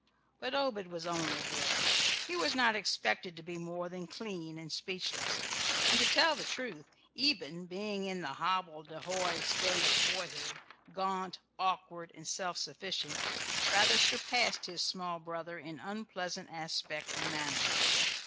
But Obed was only a boy. He was not expected to be more than clean and speechless; and, to tell the truth, Eben, being in the hobbledehoy stage of boyhood gaunt, awkward, and self sufficient rather surpassed his small brother in unpleasant aspect and manner.